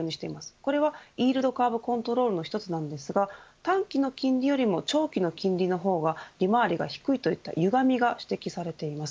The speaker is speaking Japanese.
これはイールドカーブコントロールの一つですが短期の金利よりも長期の金利の方が利回りが低いといったゆがみが指摘されています。